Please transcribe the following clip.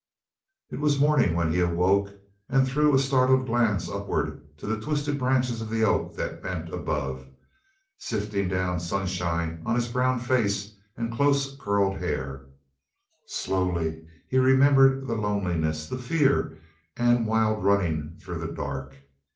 It was morning when he awoke and threw a startled glance upward to the twisted branches of the oak that bent above, sifting down sunshine on his brown face and close curled hair. Slowly he remembered the loneliness, the fear and wild running through the dark.